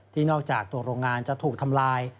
นอกจากตัวโรงงานจะถูกทำลาย